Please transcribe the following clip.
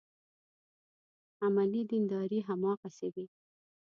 عملي دینداري هماغسې وي.